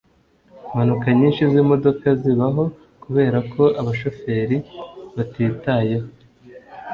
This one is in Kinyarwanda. impanuka nyinshi zimodoka zibaho kubera ko abashoferi batitayeho